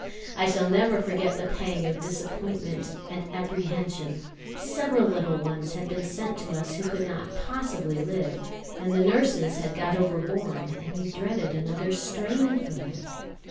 I shall never forget the pang of disappointment and apprehension. Several little ones had been sent to us who could not possibly live; and the nurses had got overborne, and we dreaded another strain for them.